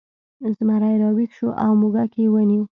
زمری راویښ شو او موږک یې ونیو.